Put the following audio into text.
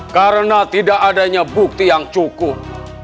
karena tidak adanya bukti yang cukup